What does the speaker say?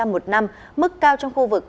một năm mức cao trong khu vực